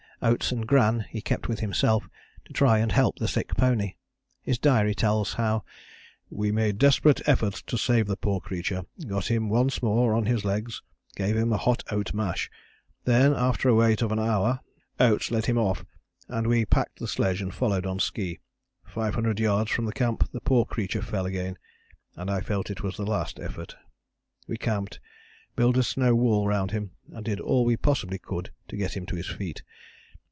Oates and Gran he kept with himself, to try and help the sick pony. His diary tells how "we made desperate efforts to save the poor creature, got him once more on his legs, gave him a hot oat mash. Then, after a wait of an hour, Oates led him off, and we packed the sledge and followed on ski; 500 yards from the camp the poor creature fell again and I felt it was the last effort. We camped, built a snow wall round him, and did all we possibly could to get him on his feet.